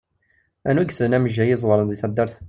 Anwa i yessnen amejjay iẓewṛen deg taddart?